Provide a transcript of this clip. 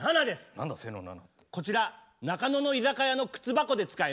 こちら中野の居酒屋の靴箱で使えます。